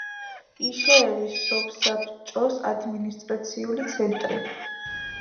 იშეევის სოფსაბჭოს ადმინისტრაციული ცენტრი.